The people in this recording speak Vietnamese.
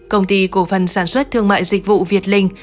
công ty cổ phần sản xuất thương mại dịch vụ việt linh